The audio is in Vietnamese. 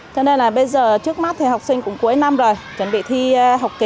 cho nên là bây giờ trước mắt thì học sinh cũng cuối năm rồi chuẩn bị thi học kỳ